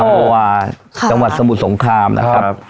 เพราะว่าจังหวัดสมุทรสงครามนะครับ